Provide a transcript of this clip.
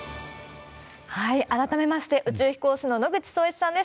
改めまして、宇宙飛行士の野口聡一さんです。